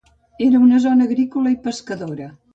Era una zona agrícola i pescadora.